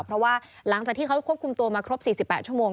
เพราะว่าหลังจากที่เขาควบคุมตัวมาครบ๔๘ชั่วโมง